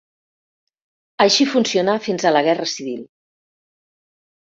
Així funcionà fins a la guerra civil.